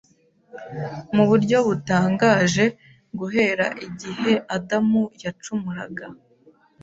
mu buryo butangaje guhera igihe Adamu yacumuraga.